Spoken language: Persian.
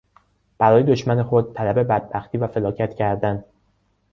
برای دشمن خود طلب بدبختی و فلاکت کردن